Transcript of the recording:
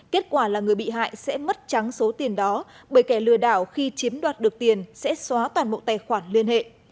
kết quả là người bị hại sẽ mất trắng số tiền đó bởi kẻ lừa đảo khi chiếm đoạt được tiền sẽ xóa toàn bộ tài khoản liên hệ